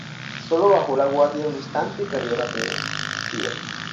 Solo bajó la guardia un instante y perdió la partida